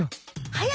はや